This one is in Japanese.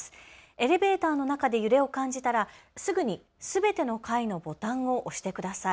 エレベーターの中で揺れを感じたらすぐにすべての階のボタンを押してください。